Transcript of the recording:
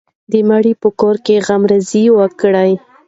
د مړي په کور کې غمرازي وکړئ.